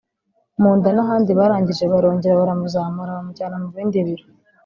mu nda n’ahandi barangije barongera baramuzamura bamujyana mu bindi biro